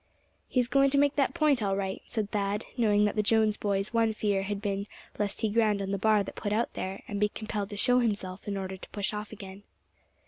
"He's going to make that point, all right," said Thad, knowing that the Jones boy's one fear had been lest he ground on the bar that put out there, and be compelled to show himself in order to push off again.